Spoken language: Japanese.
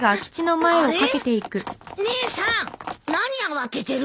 姉さん何慌ててるの？